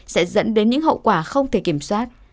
sẽ dẫn đến những hậu quả không thể kiểm soát